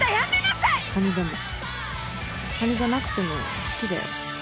蟹でも蟹じゃなくても好きだよ。